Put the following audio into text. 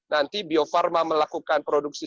nanti bio farma melakukan produksi